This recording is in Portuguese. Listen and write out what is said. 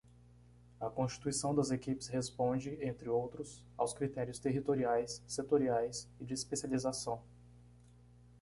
A constituição das equipes responde, entre outros, aos critérios territoriais, setoriais e de especialização.